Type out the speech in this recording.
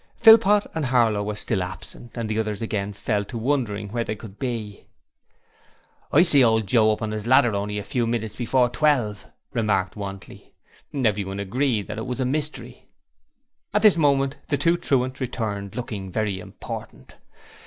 Philpot and Harlow were still absent, and the others again fell to wondering where they could be. 'I see old Joe up on 'is ladder only a few minutes before twelve,' remarked Wantley. Everyone agreed that it was a mystery. At this moment the two truants returned, looking very important.